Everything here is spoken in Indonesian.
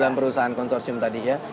dari perusahaan konsorsium tadinya